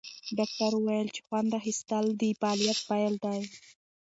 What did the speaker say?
ډاکټره وویل چې خوند اخیستل د فعالیت پیل دی.